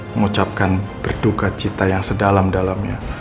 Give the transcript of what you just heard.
mengucapkan berduka cita yang sedalam dalamnya